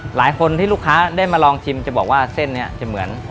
หลายคนที่ลูกค้าได้มาลองชิมจะบอกว่าเส้นนี้จะเหมือน